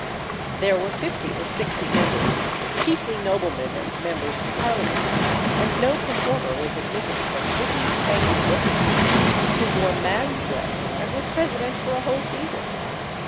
There were fifty or sixty members, chiefly noblemen and members of Parliament, and no performer was admitted but witty Peg Woffington, who wore man's dress, and was president for a whole season.